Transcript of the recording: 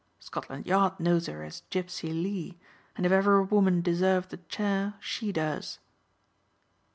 Scotland Yard knows her as Gipsey Lee, and if ever a woman deserved the chair she does."